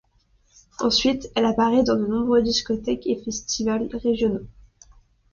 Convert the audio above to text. Ensuite, elle apparaît dans de nombreuses discothèques et festivals régionaux.